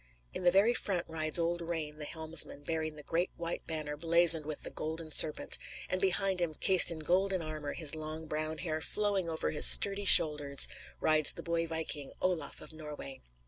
In the very front rides old Rane, the helmsman, bearing the great white banner blazoned with the golden serpent, and, behind him, cased in golden armor, his long brown hair flowing over his sturdy shoulders, rides the boy viking, Olaf of Norway.